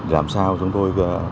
làm sao chúng tôi